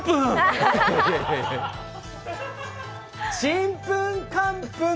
ちんぷんかんぷん。